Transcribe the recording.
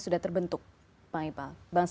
sudah terbentuk bang ipa